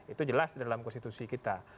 itu jelas dalam konstitusi kita